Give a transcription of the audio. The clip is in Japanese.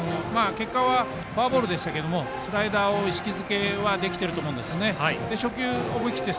結果はフォアボールでしたけどもスライダーを意識づけはできてると思うんですよね。